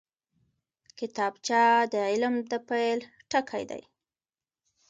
کتابچه د علم د پیل ټکی دی